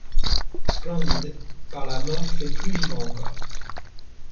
Splendides, par la mort faits plus vivants encore